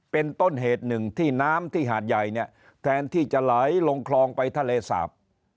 เป็นต้นเหตุหนึ่งที่น้ำที่หาดใหญ่เนี่ยแทนที่จะไหลลงคลองไปทะเลสาบ